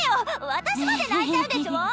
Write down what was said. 私まで泣いちゃうでしょ。